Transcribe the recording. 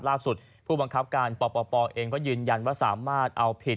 ผู้บังคับการปปเองก็ยืนยันว่าสามารถเอาผิด